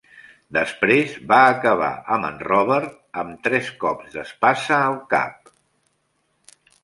Després va acabar amb en Robert amb tres cops d'espasa al cap.